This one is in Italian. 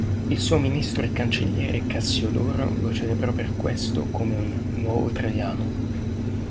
Il suo ministro e cancelliere Cassiodoro lo celebrò per questo come un "nuovo Traiano".